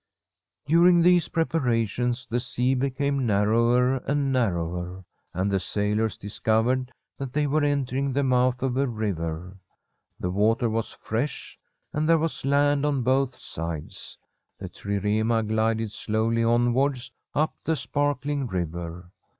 During these preparations the sea became narrower and narrower, and the sailors dis [148I 7he Forest QUEEN covered that they were entering the mouth of a river. The water was fresh, and there was land on both sides. The trirema glided slowly onwards up the sparkling river.